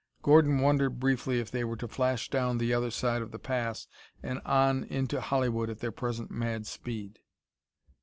Gordon wondered briefly if they were to flash down the other side of the Pass and on into Hollywood at their present mad speed.